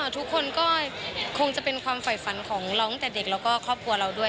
ทุกคนก็คงจะเป็นความฝ่ายฝันของเราตั้งแต่เด็กแล้วก็ครอบครัวเราด้วย